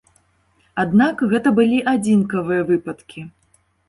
Аднак, гэта былі адзінкавыя выпадкі.